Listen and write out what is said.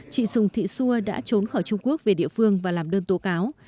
chị sùng thị xua đã trốn khỏi trung quốc về địa phương và làm đơn tố cáo